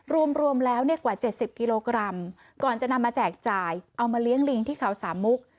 รวมรวมแล้วเนี่ยกว่า๗๐กิโลกรัมก่อนจะนำมาแจกจ่ายเอามาเลี้ยงลิงที่เขาสามมุก